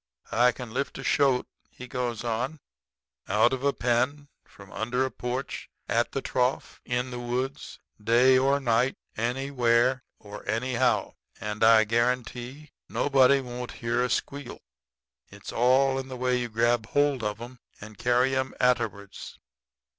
I can lift a shoat,' he goes on, 'out of a pen, from under a porch, at the trough, in the woods, day or night, anywhere or anyhow, and I guarantee nobody won't hear a squeal. It's all in the way you grab hold of 'em and carry 'em atterwards.